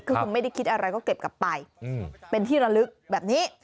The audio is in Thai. คือคงไม่ได้คิดอะไรก็เก็บกลับไปเป็นที่ระลึกแบบนี้